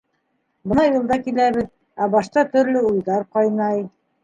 Бына юлда киләбеҙ, ә башта төрлө уйҙар ҡайнай.